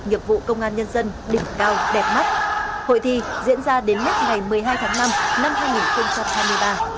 nghiệp vụ công an nhân dân đỉnh cao đẹp mắt hội thi diễn ra đến hết ngày một mươi hai tháng năm năm hai nghìn hai mươi ba